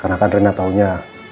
karena kan reina taunya